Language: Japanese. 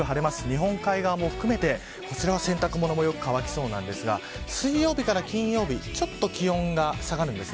日本海側も含めてこちらは洗濯物もよく乾きそうなんですが水曜日から金曜日ちょっと気温が下がるんです。